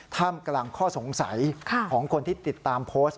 ท่ามกลางข้อสงสัยของคนที่ติดตามโพสต์